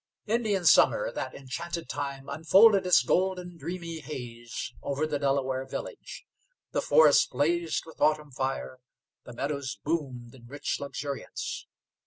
Indian summer, that enchanted time, unfolded its golden, dreamy haze over the Delaware village. The forests blazed with autumn fire, the meadows boomed in rich luxuriance.